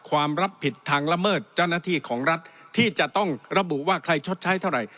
รับผิดทางละเมิดเจ้าหน้าที่ของรัฐที่จะต้องระบุว่าใครชดใช้เท่าไหร่